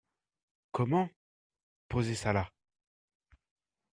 Comment ! posez ça là ?